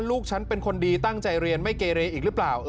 ลูกฉันเป็นคนดีตั้งใจเรียนไม่เกเรอีกหรือเปล่า